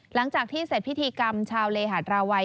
หลังจากที่เสร็จพิธีกรรมชาวเลหาดราวัย